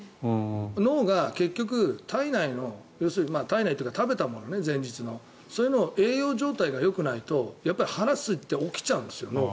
脳が結局体内というか食べたものそういうのを栄養状態がよくないとやっぱり腹がすいて脳が起きちゃうんですよ。